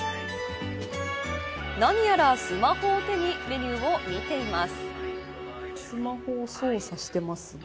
何やらスマホを手にメニューを見ています。